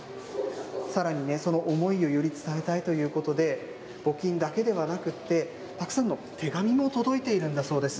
さらにね、その思いをより伝えたいということで、募金だけではなくって、たくさんの手紙も届いているんだそうです。